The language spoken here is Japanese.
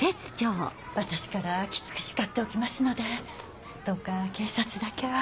私からきつく叱っておきますのでどうか警察だけは。